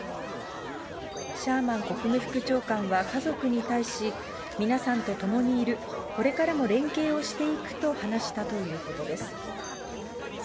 シャーマン国務副長官は、家族に対し、皆さんと共にいる、これからも連携をしていくと話したということです。